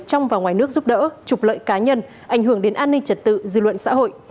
trong và ngoài nước giúp đỡ trục lợi cá nhân ảnh hưởng đến an ninh trật tự dư luận xã hội